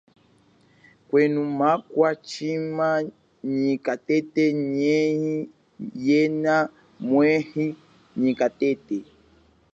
Kwenu makwa shima nyi katete nyi yena mwehi nyi katete.